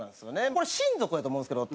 これ親族やと思うんですけど